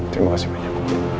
terima kasih banyak